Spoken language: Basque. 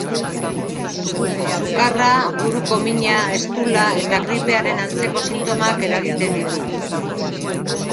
Sukarra, buruko mina, eztula eta gripearen antzeko sintomak eragiten ditu.